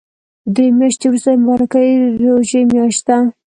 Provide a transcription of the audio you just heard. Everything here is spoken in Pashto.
دري مياشتی ورسته د مبارکی ژوری مياشت ده